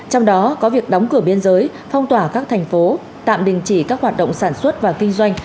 trong đó có việc đóng cửa biên giới phong tỏa các thành phố tạm đình chỉ các hoạt động sản xuất và kinh doanh